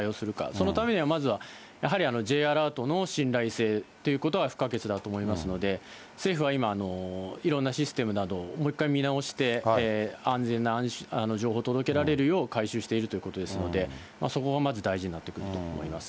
そのためにはまずはやはりＪアラートの信頼性ということは不可欠だと思いますので、政府は今、いろんなシステムなどをもう一回見直して、安全な情報を届けられるようしているということですので、そこがまず大事になってくると思います。